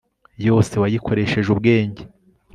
Yose wayikoresheje ubwenge